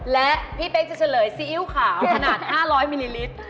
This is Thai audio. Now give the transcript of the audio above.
และพี่เป๊กจะเฉลยซีอิ๊วขาวขนาด๕๐๐มิลลิลิตร